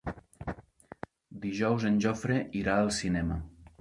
Dijous en Jofre irà al cinema.